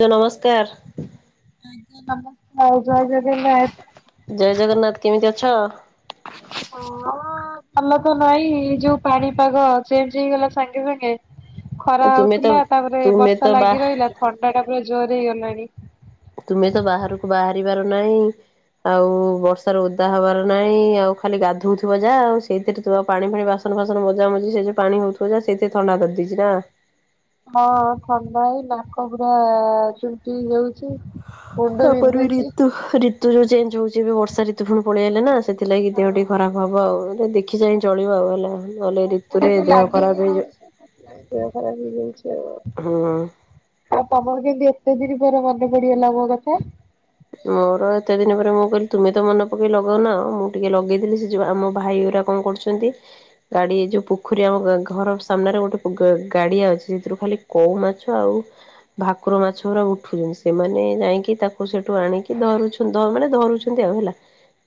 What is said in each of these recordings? ତ ନମସ୍କାର। ଆଜ୍ଞା ନମସ୍କାର ଜୟ ଜଗନ୍ନାଥ। ଜୟ ଜଗନ୍ନାଥ। କେମିତି ଅଛ? ଓ ତମର ତ ନଈ ଏଇ ଯୋଉ ପାଣିପାଗ ଚେଞ୍ଜ ହେଇଗଲା ସାଙ୍ଗେ ସାଙ୍ଗେ। ଖରା ତୁମେ ତ ହଉଥିଲା ତାପରେ ତୁମେ ବର୍ଷା ତ ବା ଲାଗି ରହିଲା ଥଣ୍ଡା ଟା ପୁରା ଜୋର ହେଇଗଲାଣି। ତୁମେ ତ ବାହାରକୁ ବାହାରିବାର ନାହିଁ। ଆଉ ବର୍ଷା ରେ ଓଦା ହବାର ନାହିଁ ଆଉ ଖାଲି ଗାଧଉଥିବ ଯାହା ଆଉ ସେଇଥିରେ ପାଣି ଫାଣି ବା ବାସନ ଫାସନ ମଜା ମଜି ସେ ଯଉ ପାଣି ହଉଥିବ ଯାହା ସେଥିରେ ଥଣ୍ଡା କରିଦେଇଛି ନା। ହଁ ଥଣ୍ଡା ହେଇ ନାକ ପୁରା ଚୁଣ୍ଟି ହେଇଯାଉଛି। ତାପର ବି ରିତୁ ରୀତ ରୁତୁ ଚେଞ୍ଜ ହଉଚି ଏବେ ବର୍ଷା ଋୁତୁ ପୁଣି ପଳେଇଆସିଲା ନା ସେଥିଲାଗି ଦେହ ଟିକେ ଖରାପ ହବ ଆଉ। ଟିକେ ଦେଖି ଯାହିଁ ଚଳିବା ଆଉ ହେଲା। ନହେଲେ ଦେହ ଋତୁରେ ଖରାପ ହେଇଯିବ। ହେଇଯାଉଛି ଆଉ ହୁଁ ଆଉ ତମର କେମିତି ଏତେ ଦିନ ପରେ ମନେ ପଡ଼ିଗଲା ମୋ କଥା? ମୋର ଏତେ ଦିନ ପରେ ମୁଁ କହିଲି ତୁମେ ତ ମନେ ପକେଇ ଲଗଉନା ଆଉ ମୁଁ ଟିକେ ଲଗେଇଦେଲି ସେ ଯଗୁ ଆମ ଭାଇଗୁରା କଣ କରୁଛନ୍ତି? ଅଛନ୍ତି। ଗାଡ଼ି ଏ ଯୋଉ ପୋଖରୀ ଆମ ଘର ସାମ୍ନାରେ ଗୋଟେ ଗାଡ଼ିଆ ଅଛି ସେଥିରୁ ଖାଲି କଉ ମାଛ ଆଉ ଭାକୁର ମାଛ ପୁରା ଉଠୁଛନ୍ତି ସେମାନେ ଯାଇକି ତାକୁ ସେଠୁ ଆଣିକି ଧରୁଛ ମାନେ ଧରୁଛନ୍ତି ଆଉ ହେଲା।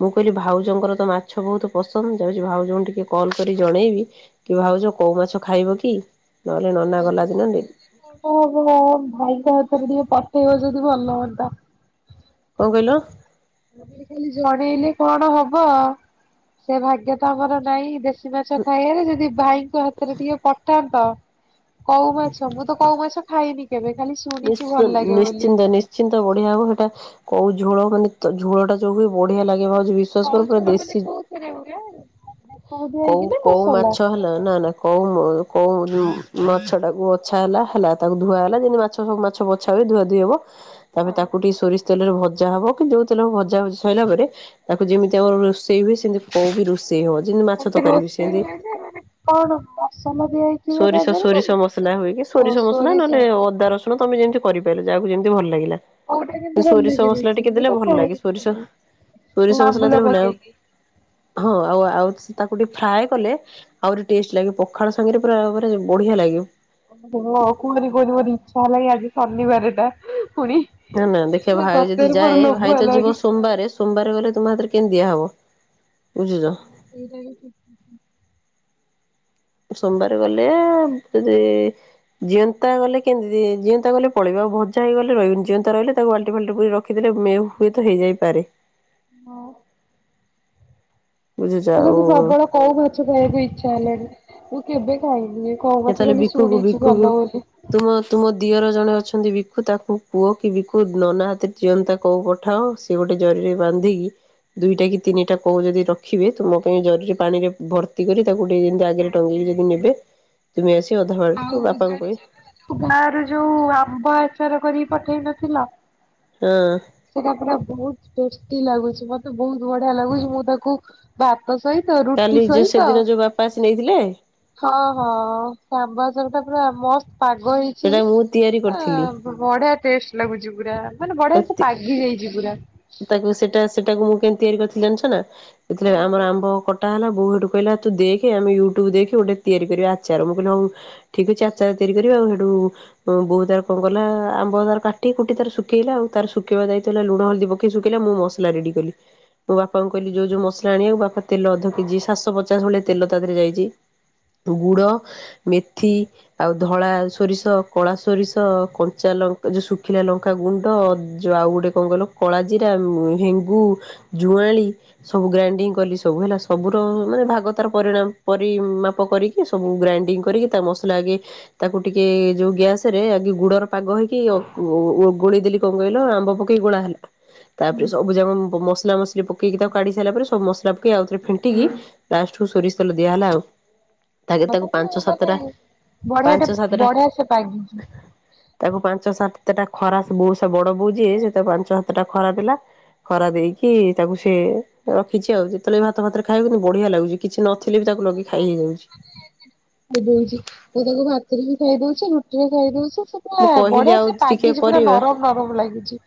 ମୁଁ କହିଲି ଭାଉଜଙ୍କର ତ ମାଛ ବହୁତ ପସନ୍ଦ ଯାଉଛି ଭାଉଜଙ୍କୁ ଟିକେ କଲ୍ କରି ଜଣେଇବି। କି ଭାବୁଛ କୋଉ ମାଛ ଖାଇବ କି? ନହେଲେ ନନା ଗଲା ଖାଲି ଦିନ କଣ ଜଣେଇଲେ କଣ ହବ ଭାଇଙ୍କ ହାତରେ ଟିକେ ପଠେଇବ ଯଦି ଭଲ ହୁଅନ୍ତା। କଣ କହିଲ? ଆଗରେ ଖାଲି ଜଣେଇଲେ କଣ ହବ? ସେ ଭାଗ୍ୟ ତ ଆମର ନାଇଁ ଦେଶୀ ମାଛ ଖାଇବାରେ ଯଦି ଭାଇଙ୍କ ହାତରେ ଟିକେ ପଠାନ୍ତ। କଉ ମାଛ ମୁଁ ତ କଉ ମାଛ ଖାଇନି କେବେ ଖାଲି ସ୍ ନି୍ଚ ନିଶ୍ଚିନ୍ତ ନି୍ଶ୍ ନିଶ୍ଚିନ୍ତ ବଢ଼ିଆ ହବ ସେଇଟା କୋଉ ଝୋଳ ମାନେ ଝୋଳ ଟା ଯୋଉ ଭଳି ବଢ଼ିଆ ଲାଗିବ ଭାଉଜ ବୀ ବିସ୍ୱାସ କର ପୁରା ଦେଶୀ ବେସର ଦିଆ କଉ ହେଇକି ନା କୋଉ ମସଲା ମାଛ ହେଲା ନା ନା କଉ କୋଉ ମାଛ ଟାକୁ ବଛା ହେଲା ହେଲା ତାକୁ ଧୁଆ ହେଲା ଯେମିତି ମାଛ ସବୁ ମାଛ ହୁଏ ଧୁଆ ଧୋଇ ହବ ତାପରେ ତାକୁ ଟିକେ ସରିଷ ତେଲରେ ଭଜା ହବ କିନ୍ତୁ ଯୋଉ ତେଲ ଭଜା ସରିଲା ପରେ ତାକୁ ଯେମିତି ଆମର ରୋଷେଇ ହୁଏ ସେମିତି କଉ ବି ରୁଷେଇ ହବ। ଯେମତି ମାଛ ତରକାରୀ ହୁଏ ସେମତି କଣ ମସଲା ଦିଆ ହେଇକି ହୁଏ ତା ସୋରିଷ ଦେହରେ ନା ସୋରିଷ ମସଲା ହୁଏକି। ସୋରିଷ ମସଲା ନହେଲେ ଅଦା ରସୁଣ ତମେ ଯେମିତି କରିପାରିଲ ଯାହାକୁ ଯେମିତି ଭଲ ଲାଗିଲା। କୋଉଟା କେମିତି ଭଲ ସୋରିଷ ଲାଗେ ମସଲା ବେସର ଟିକେ ଦେଲେ ଭଲ ଲାଗେ ହେଇକି ସୋରିଷ। ସୋରିଷ ମସଲା ଆମ୍ବୁଲ ଦେଲେ ଭଲ ପକେଇକି। ଲାଗିବ ହଁ ଆଉ ଆଉ ତାକୁ ଟିକେ ଫ୍ରାଏ କଲେ। ଆହୁରି ଟେଷ୍ଟ ଲାଗେ ପଖାଳ ସାଙ୍ଗରେ ପୁରା ବଢ଼ିଆ ଲାଗେ। ଓ ହୋ କୁହନି କୁହନି ମୋର ଇଚ୍ଛା ହେଲାଣି ଆଜି ଶନିବାର ଟା ପୁଣି। ନା ନା ଦେଖିବା ଭାଇ ଯଦି ସତରେ ମୋର ଯାଏ ଲୋଭ ଭାଇ ତ ହେଲାଣି। ଯିବ ସୋମବାରେ ସୋମବାର ଗଲେ ତୁମ ହାତରେ କେମିତି ଦିଆହବ ବୁଝୁଛ? [unintelligible] ସୋମବାର ଗଲେ ଯଦି ଜିଅନ୍ତା ଗଲେ କେମିତି ଜିଅନ୍ତା ଗଲେ ପଳେଇ ଆ ଭଜା ହେଇଗଲେ ରହିବନି ଜିଅନ୍ତା ରହିଲେ ତାକୁ ବାଲଟି ଫାଲଟି ପୁରେଇକି ରଖ ରଖିଥିଲେ ମେ ହୁଏତ ହେଇଯାଇପାରେ। ହଁ। ବୁଝୁଛ ମତେ କିନ୍ତୁ ଆଉ ପ୍ରବଳ କୋଉ ମାଛ ଖାଇବାକୁ ଇଚ୍ଛା ହେଲାଣି ମୁଁ କେବେ ଖାଇନି। କୋଉ ଏ ମାଛ ତାହେଲେ ବୋଲି ବିକୁକୁ ଶୁଣିଛି ଭଲ ବିକୁକୁ ବୋଲି ତୁମ ତୁମ ଦିଅର ଜଣେ ଅଛନ୍ତି ବିକୁୁ ତାକୁ କୁହ କି ବିକୁ ନନା ହାତରେ ଜିଅନ୍ତା କୋଉ ପଠାଅ। ସେ ଗୋଟେ ଜରିରେ ବାନ୍ଧିକି ଦୁଇଟା କି ତିନିଟା କୋଉ ଯଦି ରଖିବେ ତୁମ ପାଇଁ ଜରିରେ ପାଣିରେ ଭର୍ତ୍ତି କରି ତାକୁ ଗୋଟେ ଏମତି ଆଗରେ ଟଙ୍ଗେଇକି ଯଦି ନେବେ ତୁମେ ଆସି ଅଧା ବାଟରୁ ବାପାଙ୍କୁ କହି ଗାଁ ର ଯୋଉ ଆମ୍ବ ଆଚାର କରିକି ପଠେଇ ନଥିଲା। ହଁ। ସେଟା ପୁରା ବହୁତ ଟେଷ୍ଟିଲାଗୁଛି ମତେ ବହୁତ ବଢିଆ ଲାଗୁଛି ମୁଁ ତାକୁ ଭାତ ସହିତ ରୁଟି କାଲି ଯୋଉ ସହିତ ସେଦିନ ଯୋଉ ବାପା ଆସି ନେଇଥିଲେ ହଁ ହଁ ସେ ଆମ୍ୱ ଆଚାର ଟା ପୁରା ମସ୍ତ ପାଗ ହେଇଛି ସେଇଟା ମୁଁ ତିଆରି ଆ କରିଥିଲି ବଢିଆ ଟେଷ୍ଟ ଲାଗୁଛି ପୁରା ମାନେ ବଢିଆ ସେ ପାଗି ଯାଇଛି ପୁରା। ତାକୁ ସେଟା ସେଟାକୁ ମୁଁ କେମତି ତିଆରି କରିଥିଲି ଜାଣିଛ ନା ସେ ଆମର ଆମ୍ବ କଟ ଟା ହେଲା ବୋଉ ହେଠୁ କହିଲା ତୁ ଦେଖ୍ ଆମେ ୟୁଟୁବ ଦେଖି ତିଆରିି କରିବା ଗୋଟେ ଆଚାର ମୁ କହିଲି ହଉ ଠିକ୍ ଅଛି ଆଚାର ତିଆରି କରିବା ଆଉ ସେଠୁ ବହୁତ ତାର କଣ କଲା ଆମ୍ବ ତାର କାଟି କୁଟି ତାର ଶୁ ଶୁଖେଇଲା ଆଉ ତାର ସୁଖେଇବା ଦାୟିତ୍ୱ ହେଲା ଲୁଣ ହଳଦୀ ପକେଇ ଶୁଖେଇଲା ମୁଁ ମସଲା ରେଡି କଲି। ମୁ ବାପାଙ୍କୁ କହିଲି ଯୋଉ ଯୋଉ ମସଲା ଆଣିବାକୁ ବାପା ତେ ଅଧ କେଜି ସାତଶହପଚାଶ ଭଳିଆ ତେଲ ତାଦେହରେ ଯାଇଛି। ଗୁଡ ମେଥି। ଆଉ ଧଳା ସୋରିଷ କଳା ସୋରିଷ କଞ୍ଚା ଲଙ୍କ- ଏ ଯୋଉ ଶୁଖିଲା ଲଙ୍କା। ଙ୍କାଗୁଣ୍ଡ ଆଉ ଗୋଟେ କଣ କଇଲ କଳା ଜିରା ହେଙ୍ଗୁ ଜୁଆଁଲି। ସବୁ ଗ୍ରାଇଣ୍ଡିଙ୍ଗ କଲି ସବୁ ହେଲା ସବୁର ମାନେ ଭାଗ ତାର ପରିଣାମ ପରିମାପ କରିକି କି ସବୁ ଗ୍ରାଇଣ୍ଡିଙ୍ଗ କରିକି ତା ମସଲା ଆଗେ ତାକୁ ଟିକେ ଯୋଉ ଗ୍ୟାସ ରେ ଆଗ ଗୁଡର ପାଗ ହେଇକି ଓହୋ ଗୋଳଇ ଦେଲି କଣ କହିଲ ଆମ୍ବ ପକେଇକି ଗୋଳା ହେଲା। ତାପରେ ସବୁ ଯାକ ମସଲା ମସଲି ପକେଇକି ତାକୁ କାଢି ସାରିଲା ପରେ ସବୁ ମସଲା ପକେଇ ଆଉଥରେ ଫେଣ୍ଟିକି ଲାଷ୍ଟ କୁ ସୋରିଷ ତେଲ ଦିଆହେଲା ଆଉ। ତାଗେ ମତେ ତାକୁ ପାଞ୍ଚ ତ ସାତଟା ମାନେ ବଢିଆ ଟେ ପାଞ୍ଚ ସାତଟା ବଢିଆ ସେ ପାଗିଛି। ତାକୁ ପାଞ୍ଚ ସାତଟା ଖରା ବୋ ସେ ବଡ ବୋଉ ଯିଏସେ ତା ପାଞ୍ଚ ସାତଟା ଖରା ଦେଲା। ଖରା ଦେଇକି ତାକୁ ସେ ରଖିଛି ଆଉ ଯେତେବେଳେ ବି ଭାତ ଭାତରେ ଖାଇବ କିନ୍ତୁ ବଢିଆ ଲାଗୁଛି କିଛି ଥିଲେ ବି ତାକୁ ଲଗି ଖାଇ ହେଇଯାଉଛି। ହେଦଉଛି ମୁଁ ତାକୁ ଭାତରେ ବି ଖାଇ ଦଉଛି ରୁଟିରେ ଖାଇ ଦଉଛି ସେ ମୁଁ କହିଲି ବଢିଆ ଆଉ ସେ ଟିକେ ପାଗିଛି ପୁରା କରିବା ନରମ ନରମ ଲାଗିଛି।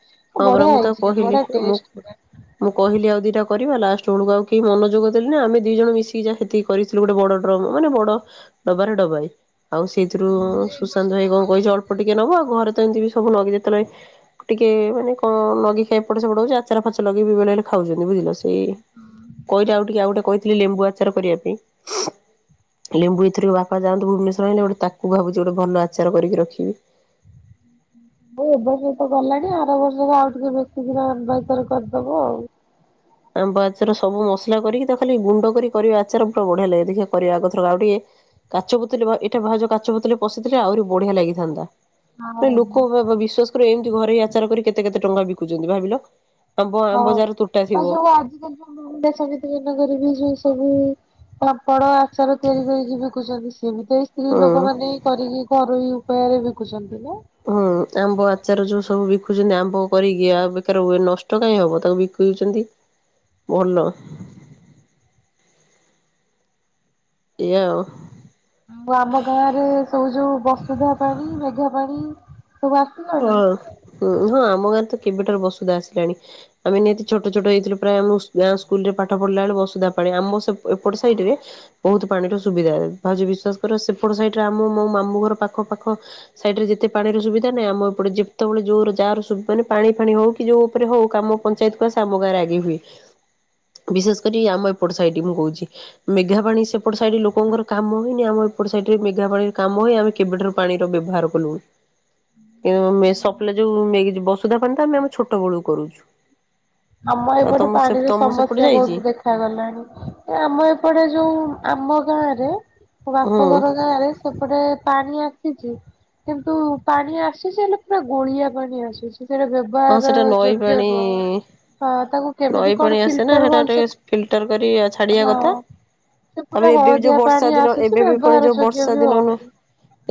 ହଁ ପରା ମୁଁ ତାକୁ ବଢିଆଇଛି କିନ୍ତୁ କହିଲି ବଢିଆ ମୁଁ ଟେଷ୍ଟ ପୁରା। ମୁଁ କହିଲି ଆଉ ଦିଟା କରିବା ଲାଷ୍ଟ ବେଳକୁ ଆଉ କେହି ମନୋଯୋଗ ଦେଲେ ନା ଆମେ ଦି ଜଣ ମିଶିକି ଯାହାତିକ କରିଥିଲୁ ଗୋଟେ ବଡ ଡ୍ରମ୍ ମାନେ ବଡ ଡବାରେ ଡବାଇ। ଆଉ ସେଇଥିରୁ ସୁଶାନ୍ତ ଭାଇ କଣ କହିଛି ଅଳ୍ପ ଟିକେ ନବ ଆଉ ଘରେ ତ ଏମତି ବି ସବୁ ଲଗି ଯେତେବେଳେ ଟିକେ ମ କଣ ଲଗି ଖାଇବା ପେ ସେ ପଟଉଛି ଆଚାର ଫାଚ ଲଗି ବେଳେ ଖାଉଛନ୍ତି ବୁଝିଲ ସେ ସେ କହିଲା ଆଉ ଟିକେ ଆଉ ଗୋଟେ କହିଥିଲି ଲେମ୍ବୁ ଆଚାର କରିବା ପାଇଁ। ଲେମ୍ବୁ ଏଇଥର ବାପା ଯାଆନ୍ତୁ ଭୁବନେଶ୍ୱର ହେଲେ ଗୋଟେ ତାକୁ ଭାବୁଛି ଗୋଟେ ଭଲ ଆଚ କରିକି ରଖିବି। ମୁଁ ଏବର୍ଷତ ଗଲାଣି ଆର ବର୍ଷରେ ଆଉ ଟିକେ ବେଶୀିକିନବା ଭିତରେ କରିଦବୁ ଆଉ। ଆମ୍ବ ଆଚାର ସବୁ ମସଲା କରିକି ତା ଖାଲି ଗୁଣ୍ଡ କରି କରିବା ଆଚାର ପୁରା ବଢିଆ ଲାଗେ ଦେଖିବା କରିବା ଆଗଥର ଆଉ ଟିକେ କାଚ ବୋତଲ ବା ଏଟା ଭାଉଜ ଯଉ କାଚ ବୋତଲ ପଶିଥିଲେ ଆହୁରି ବଢିଆ ଲାଗିଥାନ୍ତା। ହଁ ଲୋକ ବିଶ୍ଵାସ କର ଏମତି ଘରେ ଆଚାର କରି କେତେ କେତେ ଟଙ୍କା ବିକୁଛନ୍ତି ଭାବିଲ। ଆମ୍ବ ହଁ ଆମ୍ବଜାର ତୁଟା ଥିବ। [inaudible] ସମିତି ଦିନ କରିବି ସେ ସବୁ ପାମ୍ପଡ ହିସାବରେ ତିଆରି କରିକି ବିକୁଛନ୍ତି ସିଏ ବି ତ ଏଇ ସ୍ତ୍ରୀ ହୁଁ। ଲୋକମାନୋନେ କରିକି ଘରୋଇ ଉପାୟରେ ବିକୁଛନ୍ତି ନା। ହୁଁ ଆମ୍ବ ଆଚାର ଯୋଉ ସବୁ ବିକୁୁଛନ୍ତି ଆମ୍ବ କରିକି ଆଉ ବେକାର ହୁଏ ନଷ୍ଟ କାହିଁ ହବ ତାକୁ ପଉଛନ୍ତି ଭଲ। ଏଇୟା ଆଉ। ଆମ ଗାଁ ରେ ସବୁ ଯୋଉ ବସୁଧା ପାଣି ମେଘା ପାାଣି ସବୁ ଆ ହଁ ହଁ ଆମ ଗାଁରେ ତ କେବେଟାର ବସୁଧା ଆସିଲାଣି। ଆମେ ନିହାତି ଛୋଟ ଛୋଟ ହେଇଥିଲୁ ପ୍ରାୟ ଆମ ଗାଁ ସ୍କୁଲ ରେ ପାଠ ପଢିଲା ବେ ବସୁଧା ପାଣି ଆମ ସେ ଏଟ ସାଇଡ ରେ ବହୁତ ପାଣିର ସୁବିଧା ଭାଉଜ ବିଶ୍ଵାସ କର ସେପଟ ସହିରେ ଆମ ମୋ ମାମୁ ଘର ପାଖ ପାାଖ ସାଇଡରେ ଯେତେ ପାଣିର ସୁବିଧା ନାଇଁ ଆମ ଏପଟେ ଯେତେବେଳେ ଜୋର ଯାହାର ସୁବି ମାନେ ପାଣି ଫାଣି ହୋଉ କି ଯୋଉ ଉପରେ ହୋଉ କାମ ପଞ୍ଚାୟତକୁ ଆସେ ଆମ ଗାଁରେ ଆଗେ ହୁଏ। ବିଶେଷ କରି ଆମ ଏପଟ ସାଇଟ୍ ମୁଁ କୋହୁଚି। ମେଘା ପାଣି ସେପଟ ସାଇଡ ଲୋକଙ୍କ କାମ ହେନି ଆମ ଏପଟ ସାଇଡରେ ମେଘା ପାଣିରେ କାମ ହେଇ ଆମେ କେବେ ଠାରୁ ପାଣିର ବ୍ୟବହାର କଲୁଣି। ୟୋ ମେ ସପ୍ଲେ ଯୋଉ ମେ ବସୁଧା ପାଣି ତ ଆମେ ଆମ ଛୋଟ ବେଳୁକୁ କରୁଛୁ। ଆମ ଆଉ ଏପଟେ ତମ ସେ ପାଣିର ତମ ସେପଟେ ସମସ୍ୟା ଯାଇଛି ବୋହୁତ ବେ ଦେଖ ଗଲାଣି ଆମ ଏପଟେ ଯୋଉ ଆମ ଗାଁ ରେ ମୋ ହୁଁ ବାପ ଘର ଗାଁରେ ସେପଟେ ପାଣି ଆସିଚି। କିନ୍ତୁ ପାଣି ଆସୁଚି ହେଲେ ପୁରା ଗୋଳିଆ ପାଣି ଆସୁଚି ସେଟା ବ୍ୟବ ହଁ ସେଟା ନଈ ପାଣି ହଁ ତାକୁ କେମିତି ନଈ ପାଣି କଣ ଆସେ ନା ଫିଲ୍ଟର ହେଟା ଭଲସେ ଟିକେ ଫିଲ୍ଟର କରି ଛାଡିବା ହଁ କଥା। ସେ ପୁରା ତାପରେ ଏବେ ବି ଯୋଉ ହଳଦିଆ ବର୍ଷା ପାଣି ଦିନ ଆସୁଚି ଏବେ ବି ଫୁଣି ବ୍ୟବହାର ଯୋଉ ଯୋଗ୍ୟ ବର୍ଷା ବି ଦିନନୁ ହଉନି।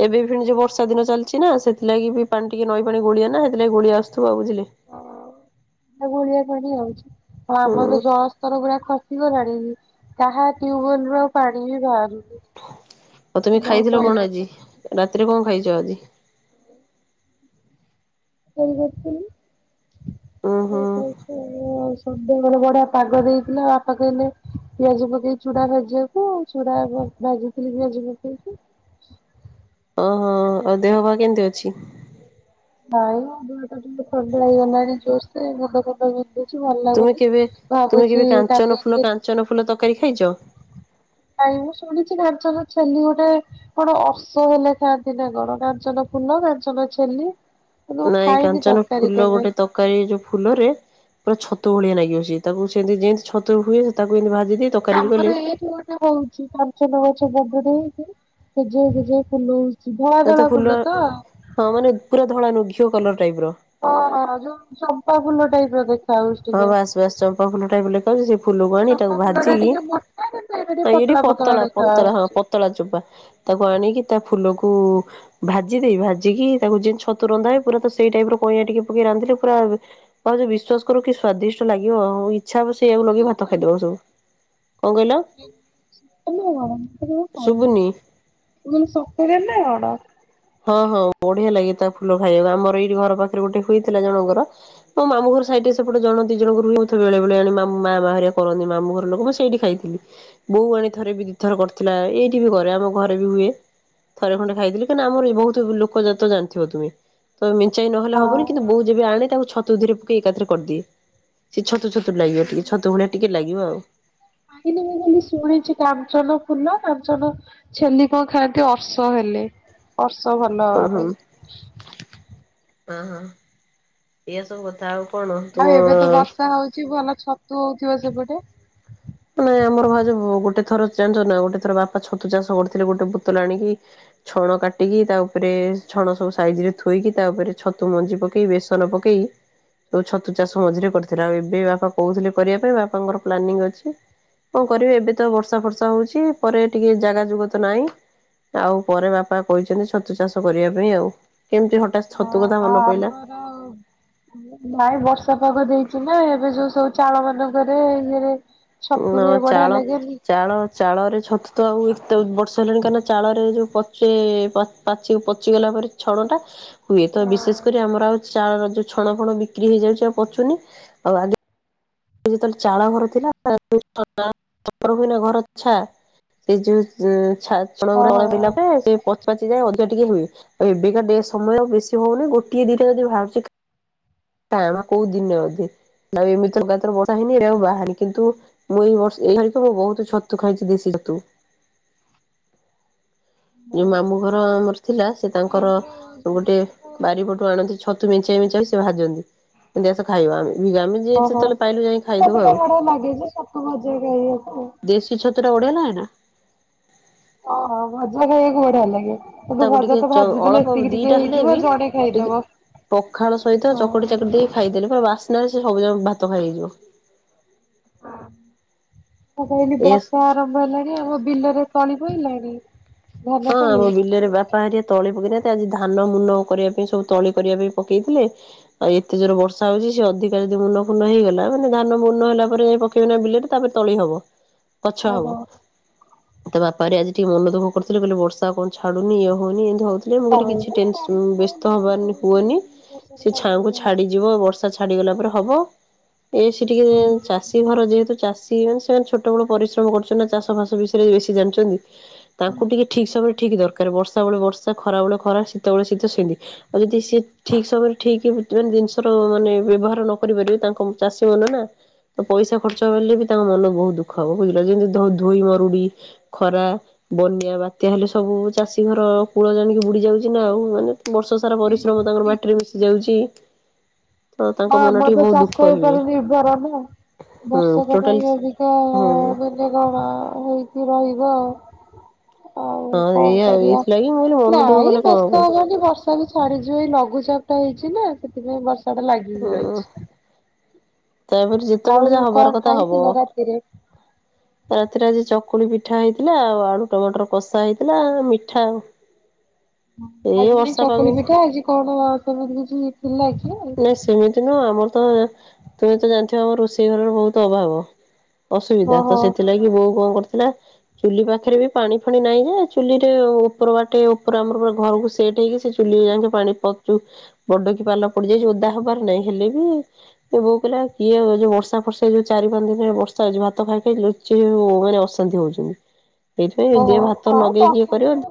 ଏବେ ବି ପୁଣି ଯୋଉ ବର୍ଷା ଦିନ ଚାଲଚି ନା ସେଥିଲାଗି ପାଣି ଟିକେ ନଈ ପାଣି ଗୋଳିଆ ନା ହେଥିଲାଗି ଗୋଳିଆସ ଥୁବ ବୁଝିଲେ? [inaudible] ଆଉ ଗୋଳିଆ ପାଣି ଆଉଚି। ହଁ ହୁଁ ଆମର ବି ଜଳସ୍ତର ଗୁଡା ଖସି ଗଲାଣି। ତାହା ଟିୟୁୱେଲ ରୁ ଆଉ ପାଣି ବି ବାହାରୁନି। ଆଉ ତମେ ବହୁତ ଖାଇଥିଲ କଣ ହଇରାଣ ଆଜି? ରାତିରେ କଣ ଖାଇଚ ଆଜି? [unintelligible] ଉୁଁ ହୁଁ ସନ୍ଧ୍ୟାବେଳେ ବଢିଆ ପାଗ ଦେଇଥିଲା। ବାପା କହିଲେ ପିଆଜି ପକେଇ ଚୁଡା ଭାଜି ଆକ କୁ ଆଉ ଚୁୁଡ଼ା ବ ଭଜିଥିଲି ପିଆଜ ପକେଇକି। ଓହୋ ଆଉ ଦେହ ପା କେମତି ଅଛି? ନାଇଁ ମୋ ଦେହଟା ଟିକେ ଥଣ୍ଡା ହେଇଗଲାଣି ଜୋରସେ ମୁଣ୍ଡ ଫୁଣ୍ଡ ବିନ୍ଧୁ ତୁମେ କେବେ ତୁମେ କେବେ କାଞ୍ଚନ କାଲି ଫୁଲ ଟିକେ କାଞ୍ଚନ ଫୁଲ ତରକାରୀ ଖାଇଚ? ନାଇଁ ମୁଁ ଶୁଣିଛି କାଞ୍ଚନ ଚ୍ଛେଲି ଗୋଟେ କଣ ଅର୍ସ ହେଲେ ଖାଆନ୍ତି ନା କଣ କାଞ୍ଚନ ଫୁଲ, କାଞ୍ଚନ ଛେଲି। କିନ୍ତୁ ମୁଁ ନାଇଁ ଖାଇନି କାଞ୍ଚନ ତରକାରୀ ଫୁଲ କେବେ ଗୋଟେ ତ ତରକାରୀ ଏଇ ଯୋଉ ଫୁଲରେ ପୁରା ଛତୁ ଭଳିଆ ନାଗିବ ସିଏ ତାକୁ ସେମିତି ଯେମିତି ଛତୁ ହୁଏ ତାକୁ ଏମିତି ଭାଜି ଦେଇ ତରକାରୀ ବି କଲେ ଆମର ଏଇଠୁ ହୋଉଚି କଞ୍ଚନ ଗଛ ବଡଟେ ହେଇକି [unintelligible] ଫୁଲ ହୋଉଚି। ତତେ ଫୁଲ ହଁ ମାନେ ପୁରା ଧଳା ନୁ ଘିଅ କଲର ଟାଇପର। ଓ ଯୋଉ ଚମ୍ପା ଫୁଲ ଟାଇପର ଦେଖ ହଁ ବାସ୍ ବାସ୍ ଚମ୍ପା ଫୁଲ ଟାଇପ ଲେଖାଉଚି ସେ ଫୁଲକୁ ଆଣିକି ତାକୁ ଚମ୍ପା ଫୁଲ ଟା ଭାଜିକି ଟିକେ ମୋଟା କିନ୍ତୁ ଏଇଟା ହଁ ଇଏ ଟିକେ ପତଳା ଦେଖା ପତଳା ହଁ ହଉଛି। ପତଳା ଚୋପା। ତାକୁ ଆଣିକି ତା ଫୁଲକୁ ଭାଜି ଦେଇ ଭାଜିକି ତାକୁ ଯେ ଛତୁ ରନ୍ଧା ହଏ ପୁରା ସେଇ ଟାଇପ ର କଇଁ ଟିକେ ପକେଇି ରାନ୍ଧିଲେ ପୁରା ଆଉ ଯୋଉ ବିଶ୍ଵାସ କରୁ କି ସ୍ଵାଦିଷ୍ଟ ଲାଗିବ ଆଉ ଇଚ୍ଛା ହବ ସେଇଆକୁ ଲଗେଇ ଭାତ ଖାଇଦବ ସବୁ। କଣ କହିଲ? [unintelligible] କଣ ମୁଁ ତ କେବେ ଖାଇନି। ଶୁବୁନି? ମୁଁ କହିନି ଶତରେ ନା କଣ? ହଁ ହଁ ବଢିଆ ଲାଗେ ତା ଫୁଲ ଖାଇବାକୁ ଆମର ଏଇଠି ଘର ପାଖରେ ଗୋଟେ ହୋଇଥିଲା ଜଣଙ୍କର। ତମ ମାମୁଁ ଘର ସାଇଟରେ ସେପଟେ ଜଣ ଦିଇ ଜଣଙ୍କର ହୋଉଥିବ ବେଳେ ଆଣି ମାମ୍ ମାମା ହେରିକା କରନ୍ତି ମାମୁ ଘର ଲୋକ ପା ସେଇଠି ଖାଇଥିଲି। ବୋଉ ଆଣୀ ଥରେ ବି ଦିଇଥର କରିଥିଲା ଏଇଠି ବି କରେ ଆମ ଘରେ ବି ହୁଏ। ଥରେ ଖଣ୍ଡେ ଖାଇଥିଲୁ କାଇଁ ନା ଆମର ଇ ବୋହୁତୁ ଲୋକ ଜାତ ଜାଣିଥିବ ତୁମେ ତ ମେଞ୍ଚାଇ ନହେଲେ ହବନି କିନ୍ତୁ ବୋଉ ଯେବେ ଆଣେ ତାକୁ ଛ ଛତୁ ଧୀରେ ପକେଇ ଏକାଥ୍ରେ କରଦିଏ ସେ ଛତୁ ଛତୁ ଲାଗିବ ଟିକେ ଛତୁ ଭଳିଆ ଟିକେ ଲାଗିବ ଆଉ। ନାଗିନି ମୁଁ ବୋଲି ଶୁଣିଚି କାଞ୍ଚନ ଫୁଲ କାଞ୍ଚନ ଛେଲିକ ଖାଦ୍ୟ ଅର୍ଷ ହେଲେ ଅର୍ଷ ଭଲ ହବା ପାଇଁ ଅହ ଏଆ ସବୁ କଥା ଆଉ କଣ ଆଉ ଏବେ ତ ତୁ ବର୍ଷା ହଉଛି ଭଲ ଛତୁ ହଉଥିବ ସେପଟେ? ନାଇଁ ଆମର ଭାଉ ବ ଗୋଟେ ଥର ଜାଣିଛ ନା ଗୋଟେ ଥର ବାପା ଛତୁ ଚାଷ କରିଥିଲେ ଗୋଟେ ବୋତଲ ଆଣିକି ଛଣ କାଟିକି ତା ଉପରେ ଛଣ ସବୁ ସାଇଜିରେ ଥୋଇକି ତା ଉପରେ ଛତୁ ମଞ୍ଜି ପକେଇି ବେଶ ଚଣପକେଇ ଯୋଉ ଛତୁ ଚାଷ ମଝିରେ କରିଥିଲା ଆଉ ଏବେ ବାପା କହୁଥିଲେ କରିବା ପାଇଁ ବାପାଙ୍କର ପ୍ଲାନିଂ ଅଛି କଣ କରିବି ଏବେ ତ ବର୍ଷା ଫର୍ଷା ହଉଛି ପରେ ଟିକେ ଜାଗା ଯୁଗ ତ ନାହିଁ। ଆଉ ପରେ ବାପା କହିଛନ୍ତି ଛତୁ ଚାଷ କରିବା ପାଇଁ ଆଉ କେମିତି ହଠାତ୍ ଛତୁ କଥା ଆଉ ମନେ ପଡିଲା। ଆମର ହଁ। ନାଇଁ ବର୍ଷା ପାଗ ଦେଇଛି ନା ଏବେ ଯୋଉ ସବୁ ଚାଳ ମାନଙ୍କରେ ଇଏରେ ଛତୁ ନାଁ ହୁଏ ବଢିଆ ଚାଳ ଲାଗେନି ଚାଳ ଚାଳରେ ଛତୁ ତ ଆଉ ଏତେ ବର୍ଷା ହେଲାଣି କାହିଁକି ନା ଚାଳରେ ଯୋଉ ପଚେ ପାଚ ପଚିଗଲା ପରେ ଛଣ ଟା। ହୁଏ ତ ବିଶେଷ କରି ଆମର ଆଉ ଚାଳର ଯୋଉ ଛଣ ଫଣ ବିକ୍ରି ହେଇଯାଉଛି ଆଉ ପଚୁନି ଆଉ ଆ ଯେତେବେଳେ ଚାଳ ଘର ଥିଲା ଓପରେ ହୁନା ଘର ଛା ସେ ଯୋଉ ଚ୍ଛା ହଁ ଚଣଗୁରା ହଁ କଳାବି ଲଗେ ସେ ପଛପଚି ଯାଏ ଅଧିକ ଟିକେ ହୁଏ ଆଉ ଏବେକା ସମୟ ବେଶୀ ହଉନି ଗୋଟିଏ ଦିଟା ଯଦି ବାହାରୁଛି। ଟାଣ କୋଉ ଦିନ ଅଧେ ଆଉ ଏମିତିର ବର୍ଷା ହେନି ବାହାରେ କିନ୍ତୁ ମୁଁ ଏହି ବର୍ଷ ମୁଁ ବହୁତ ଛତୁ ଖାଇଛି ଦେଶୀ ଛତୁ। ଯୋଉ ମାମୁଁ ଘର ଆମର ଥିଲା ସେ ତାଙ୍କର ଆମର ଗୋଟେ ବାରିପଟେ ସବୁ ଆଣନ୍ତି ଛତୁ ମେଞ୍ଚେ ମେଞ୍ଚେ ଆଣିକି ସେ ଭାଜନ୍ତି ଆସ ଖାଇବା ଓ ଯେତେବେଳେ ପାଇଲୁ ଯାଇ ଖାଇଦବୁ ସବୁ ତ ଆଉ। ବଢିଆ ଲାଗେ ଯେ ଛତୁ ଭାଜିକି ଖାଇବାକୁ। ଦେଶୀ ଛତୁ ତା ବଢିଆ ନା ନା ଓହୋ ଭଜା ଖାଇବାକୁ ବଢିଆ ଲାଗେ। କିନ୍ତୁ ତାକୁ ଟିକେ ଭଜା ତ ଚ ଭାଜୁଥିଲେ ଅଳପ ଏତିକି ଦିଟା ଟିକେ ହେଲେ ହେଇଯିବ ବି ଆଉ ଜଣେ ଟିକେ ଖାଇଦବ। ପଖାଳ ସହିତ ହଁ ଚକଟି ଚାକାଟି ଦେଇକି ଖାଇଦେଲି ପୁରା ବାସ୍ନାରେ ସେ ସବୁ ଯାକ ଭାତ ଖାଇ ହେଇଯିବ। ମୁଁ କହିଲି ଏସ୍ ବର୍ଷା ଆରମ୍ଭ ହେଲାଣି ଆମ ବିଲରେ ତଳି ପଇିଲଣି? ହଁ ଆମ ବିଲରେ ବା ବାପା ହାରିଆ ତଳି ପକେଇ ନାହାନ୍ତି ଆଜି ଧାନ ମୁନ କରିବା ପାଇଁ ସବୁ ତଳି କରିବା ପାଇଁ ପକେଇଥିଲେ। ଆଉ ଏତେ ଜୋର ବର୍ଷା ହଉଛି ସେ ଅଧିକା ଯଦି ମୁନ ଫୁନ ହେଇଗଲା ମାନ ଧାନ ମୁନ ହେଲା ପରେ ପକେଇବେ ନା ବିଲରେ ତାପରେ ତଳି ହବ ପଛୁଆ ହବ ତା ବାପା ହେରିକା ଆଜି ଟିକେ ମନ ଦୁଖଃ କରୁ କାଉଥିଲେ କହଲେ ବର୍ଷ କଣ ଛାଡୁନି ଇଏ ହଉନି ଏମତି ହଉ ମୁଁ କହିଲ କିଛି ଓହୋ ଟେନସ୍ ବ୍ୟସ୍ତ ହବ ହୁଏନି ସେ ଛାଙ୍କୁ ଛାଡିଯିବ ବର୍ଷା ଛାଡିଗଲା ପରେ ହବ ଏ ସେ ଟିକେ ଚାଷ ଘର ଯେହେତୁ ଚାଷୀ ମାନେ ସେମାନେ ଛୋଟ ବେଳୁ ପରିଶ୍ରମ କରୁଛନ୍ତି ନା ଚାଷ ଫାଷ ବିଷୟରେ ବେଶୀ ଜାଣିଛନ୍ତି। ତାଙ୍କୁ ଟିକେ ଠିକ୍ ସମୟରେ ଠିକ୍ ଦରକାର ବର୍ଷା ବେଳେ ବର୍ଷା ଖରାବେଳେ ଖରା ଶୀତବେଳେ ଶୀତ ସେମିତି ଆଉ ଯଦି ସିଏ ଠିକ ସମୟରେ ଠିକ ମାନେ ଜିନିଷର ମାନେ ବ୍ୟବହାର ନ କରି ପାରିବେ ତାଙ୍କ ଚାଷୀମାନେ ନା ତ ପଇସା ଖର୍ଚ୍ଚ ହେଲେ ବି ତାଙ୍କ ମନ ବହୁତ ଦୁଖ ହବ ବୁଝିଲା ଯେମିତି ଧୋଇ ମରୁଡି ଖରା, ବନ୍ୟା, ବାତ୍ୟା ହେଲେ ସବୁ ଚାଷୀ ଘର କୂଳ ଜାଣିକି ବୁଡି ଯାଉଛି ନା ଆଉ ମାନେ ବର୍ଷ ସାରା ପରିଶ୍ରମ ତାଙ୍କର ମାଟିରେ ମିଶି ଯାଉଛି। ତ ହଁ ତାଙ୍କ ମନ ଆମର ଟିକେ ତ ବହୁତ ଚାଷ ଦୁଃଖ ହୁଏ ଉପରେ ନିର୍ଭର ନା। ହୁଁ ବର୍ଷକ ଟୋଟାଲ ପାଇଁ ଅଧିକା ହୁଁ ବେଲେଗଣା ହେଇକି ରହିବ ଆଉ। ଆଉ ହଁ କଣ ଏଇଆ ଆଉ କରିବା ଏଇଥିଲାଗି ମୁଁ କହିଲି ମନ ଦୁଃଖ ନାଇଁ କଲେ କଣ ବ୍ୟସ୍ତ ହବ ହେବାନି ବର୍ଷା ବର୍ଷା ବି ଛାଡିଯିବ ଏଇ ଲଘୁଚାପ ଟା ହେଇଛି ନା ସେଥିପାଇଁ ବର୍ଷା ଟା ଲାଗିିକି ହୁଁ ରହିଛି। ତାପରେ ଯେତେବେଳେ ଆଉ ଯାହା କଣ ହବାର କଥା ହବ। ଖାଇଥିଲ ରାତିରେ? ରାତିରେ ଆଜି ଚକୁଳି ପିଠା ହେଇଥିଲା ଆଉ ଆଳୁ ଟମାଟର କଷା ହେଇଥିଲା ମିଠା ଆଉ ହ [unintelligible] ଆଜିି କଇଁ ଚକୁଳି ପିଠା ଆଜି କଣ ସେମିତି କିଛି ଥିଲା କି ଆଉ। ନାଇଁ ସେମିତି ନୁହଁ ଆମର ତ ତୁମେ ତ ଜାଣିଥିବ ଆମ ରୋଷେଇ ଘରର ବହୁତ ଅଭାବ। ଅସୁବିଧା ଓହୋ ତ ସେଥିଲାଗି ବୋଉ କଣ କରିୁଥିଲା ଚୁଲି ପାଖରେ ବି ପାଣି ଫାଣି ନାହିଁ ଯେ ଚୁଲିରେ ଉପର ବାଟେ ଉପର ଆମରୁ ଘରକୁ ସେଟ ହେଇକି ସେ ଚୁଲି ଯାଇକି ପାଣି ପଚୁ ବଡ କିି ପାଲ ପଡିଯାଇଛି ଓଦା ହବାର ନାହିଁ ହେଲେ ବି ଏ ବୋଉ କିହିଲା କିଏ ଯୋଉ ବର୍ଷା ବର୍ଷ ଯୋଉ ଚାରି ପାଞ୍ଚ ଦିନରେ ବର୍ଷା ହଉଛି ଭାତ ଖାଇକି ଜୋଉ ମାନେ ଅଶାନ୍ତି ହଉଛନ୍ତି ସେଇଥିପାଇଁ ଦେ ଓହୋ ଭାତ ହଁ ଲଗେଇକି ବର୍ଷା କରିବ। ଦିନରେ